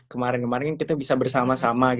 kemarin kemarin kita bisa bersama sama